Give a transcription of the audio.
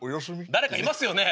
誰かいますよね。